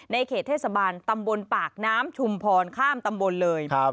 เขตเทศบาลตำบลปากน้ำชุมพรข้ามตำบลเลย